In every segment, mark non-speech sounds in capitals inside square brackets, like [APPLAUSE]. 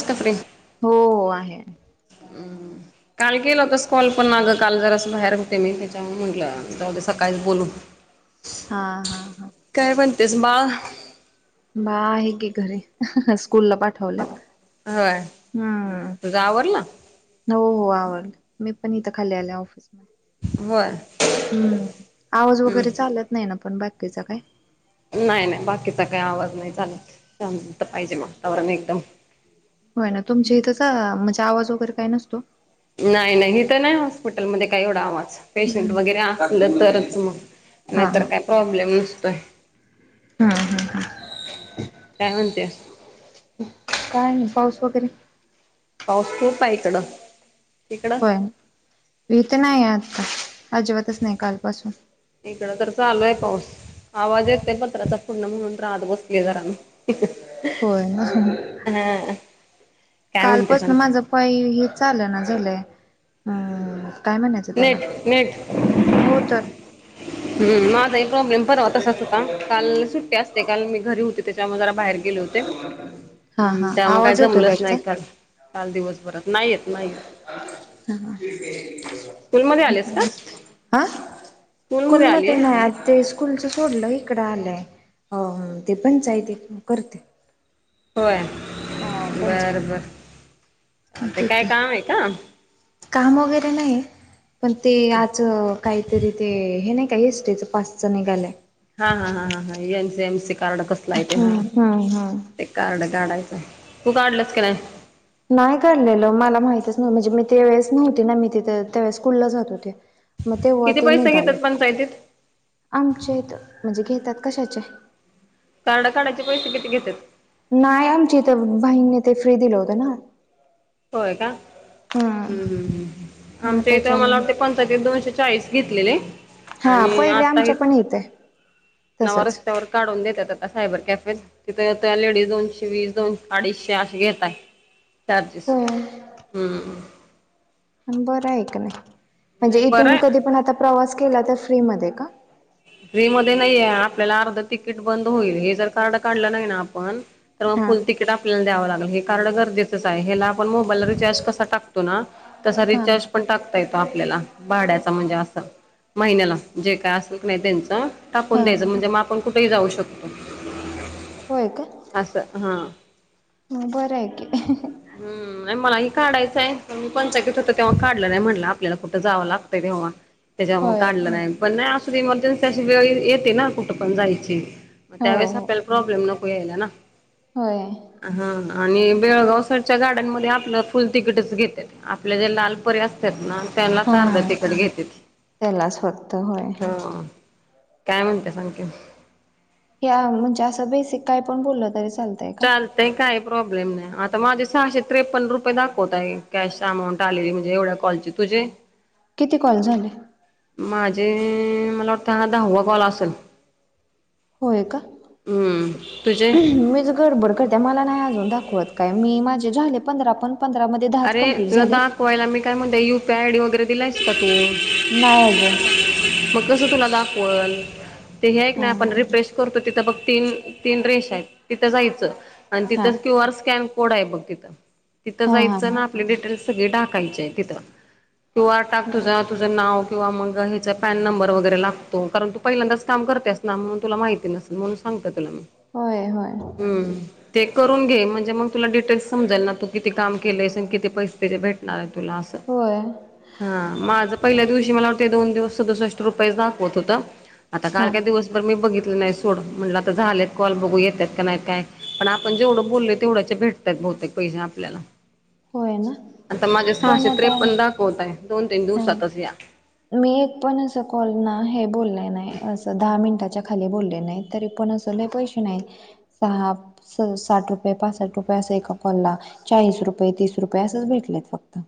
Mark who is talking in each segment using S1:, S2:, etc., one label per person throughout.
S1: मुस्तफरी
S2: हो आहे
S1: हम् काल केलं होतस कॉल पण ना आगं काल जर असं बाहेर होते मी त्याच्यामुळे म्हटलं सकाळी बोलू
S2: हा हा हा
S1: काय म्हणतेस मा
S2: बा आहे की घरी स्कूलला पाठवल्या
S1: हय तुझा आवर ना
S2: हो हो आवड मी पण इथं खाली आल्या ऑफिस
S1: होय
S2: हम्म आवाज
S1: हम्म
S2: वगैरे चालत नाही ना पण बाकीचा काय
S1: नाही नाही बाकीचा काही आवाज नाही चाला तर पाहिजे वातावरण एकदम
S2: होय ना तुमच्या इथंचा म्हणजे आवाज वगैरे काय नसतो
S1: नाही नाही ह तर नाही हॉस्पिटलमध्येध्ये काही एवढा आवाज पेशंट वगैरे असलं तरच मग
S2: हा
S1: नाहीतर
S2: हा
S1: काय प्रॉब्लेम नसतोय
S2: हा हा
S1: काय म्हणते
S2: काय पाऊस वगैरे
S1: पाऊस खूप आहे इकडं तिकडं
S2: हो भीथ नाही आता अजिबातच नाही कालपासून
S1: इकड तर चालू आहे पाऊस आवाज येतय पत्राचा पूर्ण म्हणून राहत बसली जरान
S2: होय
S1: हा काय म्हणते
S2: कालपास
S1: सांग.
S2: ना माझं उ काय हे चाल ना झालंय हम् काय म्हणायचं त्याला
S1: नेट नेट
S2: हो तर
S1: हम्म माता प्रॉब्लेम पररावा तसाच होता काल सुट्टी असते काल मी घरी होते त्याच्यामुळे जरा बाहेर गेले होते
S2: हा
S1: हम्म
S2: हा
S1: त्यामुळे काय
S2: आवाज येतोय
S1: जमलंच
S2: बॅगचा
S1: नाही काल काल दिवसभरात नाही येत नाही येत
S2: ह
S1: स्कूलमध्ये आलेस का?
S2: हा स्कूल
S1: स्कूलमध्ये
S2: मध्ये
S1: आलीय
S2: नाही आज ते कुलच सोडलं इकडं आलंय अ ते पंचायित करते
S1: होय
S2: हा
S1: बर
S2: पंचायती
S1: बर ते काय
S2: तिथे
S1: काम आहे का
S2: काम वगैरे नाही पण ते आज काहीतरी ते हे नाही काय एसटेच पाचचं निघालय
S1: हा हा हा हा हा M C M C card कसला येते हा
S2: हम्म हम्म हम्म
S1: ते काड काढायचं तू काढलंस काी नाही
S2: नाही घडलेल मला माहितच नव म्हणजे मी ते वेळेस नव्हती ना मी तिथ त्यावेळेस कुललं जात होते मग तेव्हा
S1: किती
S2: ते
S1: पैसे
S2: निघाल
S1: घेतात पंचायतीत
S2: आमचे म्हणजे घेतात कशाचे
S1: कारड कााचे पैसे किती घेत
S2: नाही आमची इथ बाहीईंने ते फ्री दिलं होतं ना
S1: होय का
S2: हम्म.
S1: हम् हम् हम
S2: मग
S1: आमच्या इथं मला
S2: त्याच्यामुळे
S1: वाटते पंचा ते दोनशे चाळीस घेतलेले
S2: हा
S1: आणि
S2: पहिले
S1: आता ह
S2: आमच्या पण इथे
S1: नवा
S2: तसच.
S1: रस्त्यावर काढून देतात आता सायबर कॅफे तिथे त्या लेडीज दोनशे वीस दोनशे अडीचशे असे घेतय
S2: होय
S1: हम्म
S2: अबरयकणे म्हणजे
S1: नाही बरं
S2: इथून कधी
S1: आहे
S2: पण आता प्रवास केला तर फ्रीमध्ये का
S1: व्री मध्ये नाहीये आपल्याला अर्ध तिकीट बंद होईल हे जर कार्ड काढलं नाही ना आपण तर मग
S2: हा.
S1: फुल तिकीट आपल्याला द्यावं लागलं हे कार्ड गरजेचंच आहे हेला आपण मोबाईलला रिचार्ज कसा टकतो ना तसा
S2: हा
S1: रिचार्ज
S2: हा
S1: पण टाकत येत आपल्याला भाड्याचा म्हणजे असं महिन्याला जे काय असेल की नाही त्यांच
S2: हा
S1: टाकून द्यायचं
S2: हा.
S1: म्हणजे मग आपण कुठेही जाऊ शकतो
S2: होय का
S1: असं हां
S2: बरं आहे की
S1: हम्म आणि मलाही काढायचंय पण मी पंचाकीत होत तेव्हा काढलं नाही म्हटलं आपल्याला कुठं जावं लागतंय तेव्हा त्याच्यामुळे
S2: होय.
S1: काढलं नाही पण नाही अस इमर्जन्सी अशी वेळ येते ना कुठं पण जायची मग
S2: हो
S1: त्यावेळेस
S2: हो
S1: आपल्याला प्रॉब्लेम नको यायला ना
S2: होय
S1: हा आणि बेळगावसरच्या गाड्यांना मध्ये आपलं फुल तिकीटच घेतेत आपल्या जे लालपऱ्या असतात ना त्यांनाच
S2: हा
S1: आर्ध तिकिट घेतेत
S2: त्यालाच फक्त होय
S1: हो काय म्हणते सांग की
S2: ह म्हणजे असं बेसिक काय पण बोललं तरी चालत
S1: चाल काही प्रॉब्लेम नाही आता माझे सहाे त्रपन् रुये दाखवताय कॅश अमाऊंट आलेली म्हणजे एवढ्या कॉल तुझे
S2: किती कॉल झाले
S1: माझे मला वाटतं ह दहावा कॉल असेल
S2: होय का
S1: हम्म तुझे
S2: मीच घरबर क त्या मला नाही अजून दाखवत काय मी माझे झाले पंधरा पण पंधरामध्ये
S1: अरे तुला दाखवायला मी काय म्हणते यु पी आय आयडी वगैरे दिलायस का तू
S2: नाही अजून
S1: मग कस तुला दाखवल ते हे
S2: हा
S1: नाही आपण रिप्रेश करतो तिथं बघ तीन तीन रेश आहेत तिथं जायचं आणि
S2: हा
S1: तिथं क्यूआर स्कॅन कोड आहे बघ तिथं तिथं
S2: हा
S1: जायच
S2: हा हा
S1: आपली डिटेल्स सगळे टाकाय तिथ क्यूआर टाक तुझा तुझं नाव किंवा मग ह्याचा पॅन नंबर वगैरे लागतो कारण तू पहिल्यांदाच काम करतेयास ना म्हणून तुला माहिती नसेल म्हणून सांगता तुला मी
S2: होय होय
S1: हम् ते करून घे म्हणजे मग तुला डिटेल्स समजाल ना तू किती काम केलस आण किती पैसे भेटणार आहे तुला असं
S2: होय
S1: हा माझं पहिल्या दिवशी मला वाते दोन दिवस सदुसष्ट रुपये दाखवत होत आता
S2: हा
S1: काल का दिवस तरर मी बघितलं नाही सोड म्हटलं आता झालेत कॉल बघू येतात का नाही काय पण आपण जेवढं बोललो तेवढ्याच्या भेट बहुतेक पैसे आपल्याला
S2: होय ना
S1: आता माझे
S2: पण
S1: सहाशे
S2: आता
S1: त्रेपन दाखवतं आहे दोन तीन
S2: हा
S1: दिवसातच या
S2: मी एक पण अस कॉल ना हे बोलले नाही असं दहा मिनटाच्या खाली बोलले नाहीत तरी पण असे लय पैसे नाही सहा स साठ रुपये पाचसाठ रुपये असं एका कॉलला चाळीस रुपये तीस रुपये असंच भेटलेत फक्त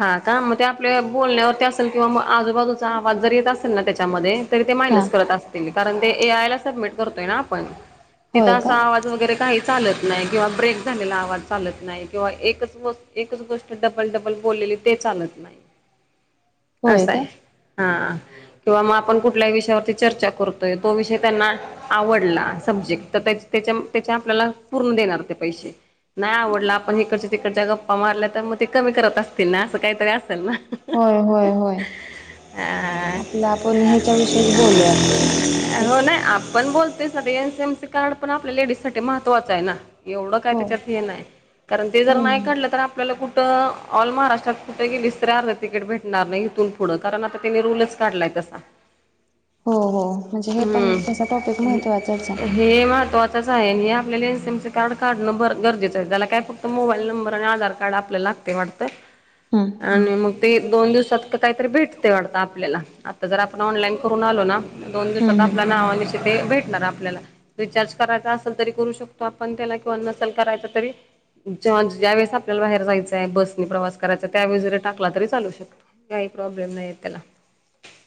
S1: हा का मग ते आपल्या बोलण्यावरती असेल किंवा मग आजूबाजूचा आवाज जर येत असेल ना त्याच्यामध्ये तरी ते
S2: हा
S1: मान्यच करत असतील कारण की ते ए आय ला सबमिट करतो आहे ना आपण
S2: होय का
S1: वगरे काही चालत नाही किंवा ब्रेक झालेला आवाज चालत नाही किंवा एकच एकच गोष्ट डबल डबल बोललेली ते चालत नाही
S2: होय
S1: असंय
S2: का
S1: हा किंवा मग आपण कुठल्याही विषयावरती चर्चा करतोय तो विषय त्यांना आवडला सब्जेक्ट तर त्या त्याच्या आपल्याला पूर्ण देणार ते पैसे नाही आवडलं आपण इिकडच्या तिकडच्या गप्पा मारल्या तर मग ते कमी करत असतील ना असं काहीतरी असेल ना
S2: होय होय होय आपल्या आपण ह्याच्या विषयीच बोलूयात
S1: हो
S2: बेस
S1: नाही आपण बोलते एनसीएमसी कार्ड पण आपल्या लेडीज साठी महत्वाचं आहे ना एवढं काय
S2: हो
S1: त्याच्यात हे नाही कारण ते जर नाही
S2: हम्म
S1: काढलं तर आपल्याला कुठं ऑल महाराष्ट्रात कुठे गेलीस तरी तिकीट भेटणार नाही इथून पुढं कारण आता त्यांनी रूलच काढलाय तसा
S2: हो हो म्हणजे हे पण तसा टॉपिक
S1: हम्म
S2: महत्त्वाचाच आहे
S1: हे हे महत्वाचंच आहे आणि हे आपल्याला एनसीएमसी कार्ड काढणं बर गरजेचं आहे त्याला काय फत मोबाईल नंबर आणि आधार कार्ड आपल लागतंय वाटतं
S2: हम
S1: आणि मग ते दोन दिवसात क काहीतरी भेटते वाटत आपल्याला आता जर आपण ऑनलाईन करून आलो ना दोन दिवसात
S2: हम्म हम्म
S1: आपल्याला नावानिशीते भेटणार आपल्याला रिचार्ज करायचा असल तरी करू शकतो आपण त्याला किंवा नसल करायच तरी जेव्हा ज्या वेळेस आपल्याला बाहेर जायचं आहे बस मी प्रवास करायचा त्यावेळेस जरी टाकला तरी चालू शकतो काही प्रॉब्लेम नाही येत त्याला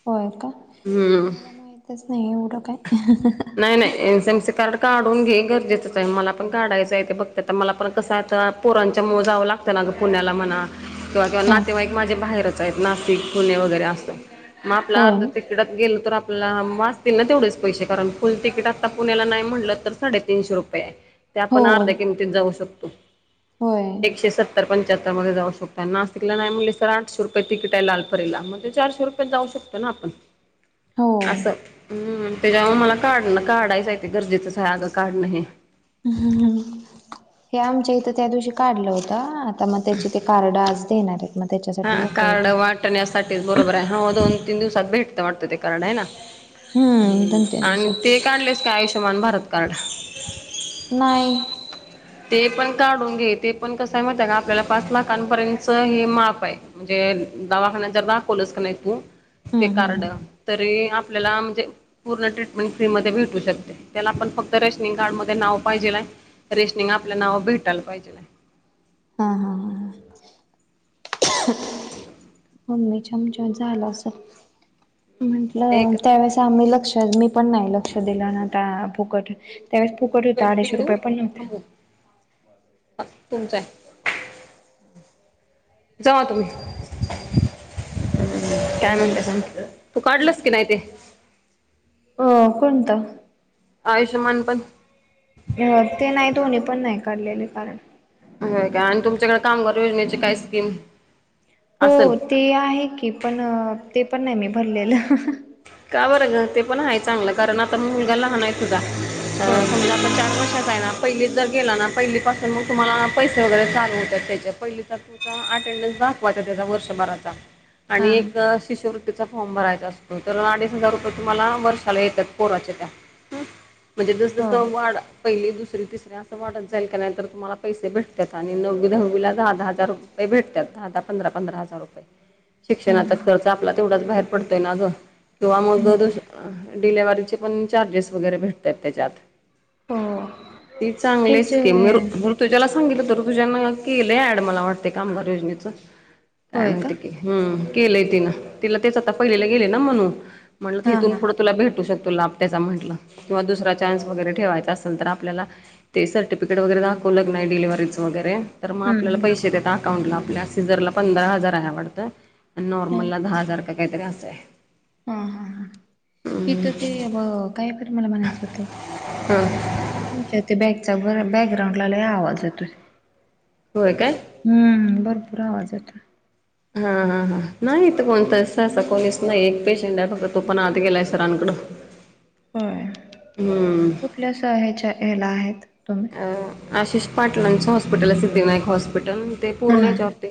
S2: होय का
S1: हम्म
S2: मला माहितच नाही एवडं काय अ हं हं हं
S1: नाय नाय एनसी एमसी कार्ड काढून घे गरजेचंच हाय मला पण काढायचं आहे ते फक्त तर मला पण कसं आता पोरांच्या मुळं जावं लागतं त्यांना गा पुण्याला म्हणा किंवा किंवा
S2: हा
S1: नातेवाईक माझे बाहेरच आहेत नाशिक पुणे वगैरे असं मा आपलं
S2: होय
S1: अर्ध ते तिकीटात गेलो तर आपल्याला वाचतील ना तेवढेच पैसे कारण फुल तिकीट आता पुण्याला नाही म्हलतर तर साडेतीनशे रुपये ते
S2: हो
S1: आपण अर्ध्या किमतीत जाऊ शकतो
S2: होय
S1: एकशे संत्तर पंच्च्यात मध्ये जाऊ शकतो नाशिकला नाही म्हट सर आठशे रुपये तिकीट आहे लालपरीेला मग ते चारशे रुपयात जाऊ शकतो ना आपण
S2: ह
S1: असं हम् त्याच्यावर मला काढणं काढायचं आहे ते गरजेचंच अगं काढणं हे
S2: ् हे आमच्या इथं त्या दिवशी काढलं होतं आ तर मग त्याचे ते कार्ड आज देणार आहेत म
S1: हा कार्ड वाटण्यासाठीच बरोबर आहे ह दोन तीन दिवसात भेटत वाटतं ते कार्ड आहे ना हम्म
S2: दोन तीन
S1: आणि
S2: दिवसात
S1: ते काढलेस का आयुष्यमान भारत कार्ड
S2: नाय
S1: ते पण काढून घे ते पण कस हाय माहिती आहे का आपल्याला पाच लाखांपर्यंतच हे माप आहे म्हणजे दवाखान्या जर दाखवलस कनाय तू ते
S2: हम्म
S1: कार्ड
S2: हम्म
S1: तरी आपल्याला म्हणजे पूर्ण ट्रीटमेंट फ्री मध्ये भेटू शकते त्याला आपण फक्त रेशनिंग कार्ड मध्ये नाव पाहिजेलाय तिनं आपलं नाव भेटायला पाहिजे
S2: हा हा हा ह मम्मीच्या आमच्या झाल असल
S1: आहे
S2: म्हंटल
S1: एक
S2: त्यावेळेस आम्ही लक्षात मी पण नाही लक्ष दिलं न आता फुकट त्यावेळेस फुकट होतं
S1: वेटिंग
S2: अडीचशे रुपये पण नव्हते
S1: अ तुमचं आय जावा तुम्ही काय म्हणतय संपल तू काढलस की नाही ते
S2: अ कोणतं
S1: आयुष्यमान पण
S2: ह्य ते नाही दोन्ही पण नाही काढलेले कार्ड.
S1: व्ह का आणि तुमच्याकडे कामगार योजनेची काय स्कीम.
S2: हो
S1: असेल
S2: ते आहे की पण ते पण नाय मी भरलेलं.
S1: का बरं घर ते पण हाय चांगलं कारण आता मुलगा लहान. तुझा ह
S2: होय
S1: समजा आता चार वर्षांचा हाय ना. पहिलीत जर गेला ना पहिली पासून मग तुम्हाला पैसे वगैरे चालू होतात त्याचे पहिली तर तो. तुझा अटेंडन्स दाखवायचा त्यजा वर्षभराचा.
S2: हा
S1: आणि एक अ शिष्यवृत्तीचा फॉम भरायचा असतो. कारण अडीच हजार रुपये तुम्हाला वर्षाला येतात पोराच्या त्या हं म्हणजे जस
S2: हो
S1: जस वाढ. पहिली दुसरी तिसरी असं वाढत जाईल का नाय तर तुम्हाला पैसे भेटत्यात आणि नववी दहावीला दहा दहा हजार रुपये. लय भेटत्यात दहादहा पंधरा-पंधरा हजार
S2: - -
S1: रये. शिक्षणाचा खर्च आपला तेवढाच बाहेर पडतोय ना ग. किंवा मग
S2: हो
S1: डिलेव्हरीचे पण चार्जेस वगैरे भेटतात त्याच्यात.
S2: हो
S1: ती चांगलीच
S2: ह्याचे
S1: की तुझ्याला सांगितलं तर तुझ्याना केलं ऍड मला वाटते कामगार योजनेचं काय
S2: होय का
S1: माहिती. हम् केलंय तिनं तिला तेच आता पहिलेला गेले ना म्हणू म्हणलं
S2: हा
S1: इथून
S2: हा
S1: पुढं तुला भेटू शकतो लाभ त्याचा म्हंटलं किंवा दुसरा चान्स वगैरे ठेवायचा असेल तर आपल्याला ते सर्टिफिकेट वगैरे दाखवल नाही डिलिव्हरीच वगैरे तर मग आपल्याला
S2: हम्म
S1: पैसे देत अकाउंटला आपल्या सिझरला पंधरा हजार आहे वाटतं आणि
S2: हम्म
S1: नॉर्मलला दहा हजार का काहीतरी असं आहे.
S2: हा हा ह इथं ते अ ब काय बर मला म्हणायचं होत
S1: हां
S2: तुमच्या ते बॅकचा बॅकग्राउंड ला लय आवाज येतोय.
S1: होय काय.
S2: हम्म भरपूर आवाज येतोय.
S1: हा हा हा नाही इथ कोण त सा स कोणीस. नाही एक पेशंट आहे फक्त तो पण आत गेलाय सरांकडं.
S2: होय.
S1: हम्म.
S2: कुठल्या स ह्याच्या हला आहेत तुम्ही.
S1: अ आशिष पाटलांचं हॉस्पिटल हाय सिद्धविनायक हॉस्पिटल ते
S2: हा हा
S1: पुर्णहेच्यावरती.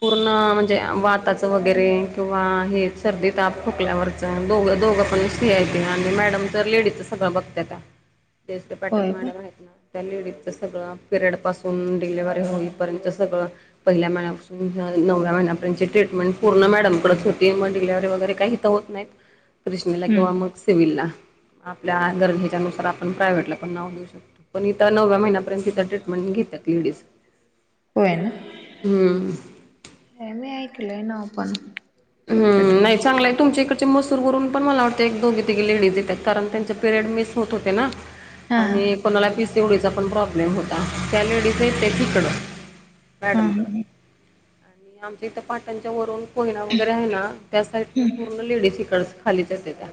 S1: पूर्ण म्हणजे वाताच वगैरे किंवा हेच सर्दी ताप ठोकल्यावर. अ दोघ दोघपण सीआयटी आणि मॅडम तर लेडीजच सगळं बघत्यात्या.
S2: - -
S1: तेस्ट पटर् मॅडम ना. त्या लेडीचं सगळं पिरियड पासून डिलेव्हरी होईपर्यंत सगळं पहिल्या महिन्यापासून नव्या महिन्यापर्यंतची ट्रीटमेंट पूर्ण मॅडमकडेच होती मग डिलिव्हरी वगैर काही इथे होत नाही.
S2: [INAUDIBLE]
S1: कृिष्णीला किंवा
S2: हम्म
S1: मग सिव्हिलला आपल्या गरजेच्यानुसार आपण प्रायव्हेटला पण नाव देऊ शकतो. पण इथ नव्या महिन्यापर्यंतिथ ट्रीटमेंट घेता लेडीज.
S2: होय ना?
S1: हम्म.
S2: हे मी ऐकलोय नाव पण शक्यतो
S1: हम् नाही चांगलाय तुमच्या इकडे च मसूर वरुन पण मला वाटतं एक दोघी तिघी लेडीज येतात कारण त्यांचे पिरियड मिस होत होते ना
S2: हा हा
S1: आणि कोणाला पीसीओडीचा पण प्रॉब्लेम होता त्या लेडीज य ते तिकडं मॅडम कड
S2: हम्म
S1: आणि आमच्या इथं पाटणच्या वरून पयना तर आहे ना त्या सा पूर्ण लेडीस इकड खाली येते त्या.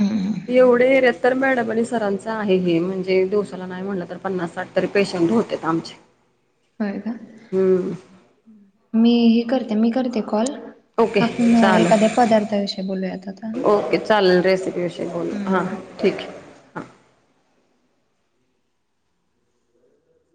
S2: हम.
S1: एवढे एर्यात तर मॅडम आणि सरांचं आहे हे म्हणजे दिवसाला नाही म्हणलं तर पन्नास साठ तरी पेशंट होतेत आमचे.
S2: होय का!
S1: हम्म!
S2: मी हे करते मी करते कॉल
S1: ओके
S2: आपण
S1: चाले
S2: एखाद्या पदार्थाविषयी बोलूयात आता हा
S1: ओके चालेल रेसिपी विषयी बोल हा.
S2: हम्म
S1: ठीक आहे. हां